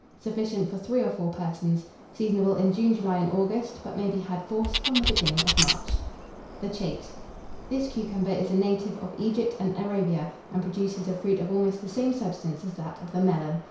Sufficient for 3 or 4 persons. Seasonable in June, July, and August; but may be had, forced, from the beginning of March. THE CHATE. This cucumber is a native of Egypt and Arabia, and produces a fruit of almost the same substance as that of the Melon.